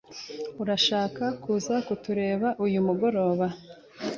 Urashaka kuza kutureba uyu mugoroba?